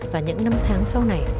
và những năm tháng sau này